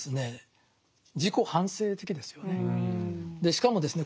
しかもですね